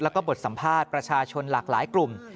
แล้วก็บทสัมภาษณ์ประชาชนหลากหลายกลุ่ม